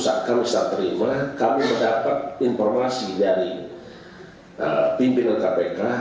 saat kami saya terima kami mendapat informasi dari pimpinan kpk